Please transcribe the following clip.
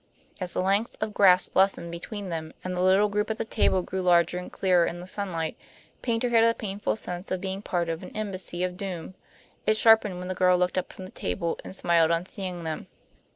As the lengths of grass lessened between them, and the little group at the table grew larger and clearer in the sunlight, Paynter had a painful sense of being part of an embassy of doom. It sharpened when the girl looked up from the table and smiled on seeing them.